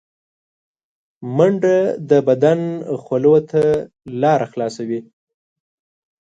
منډه د بدن خولو ته لاره خلاصوي